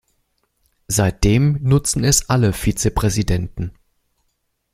Seitdem nutzen es alle Vizepräsidenten.